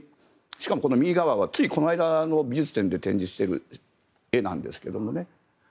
しかもこの右側はついこの間の美術展で展示している絵なんですけどね。